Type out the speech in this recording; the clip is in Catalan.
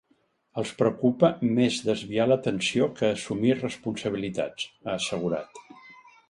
“Els preocupa més desviar l’atenció que assumir responsabilitats”, ha assegurat.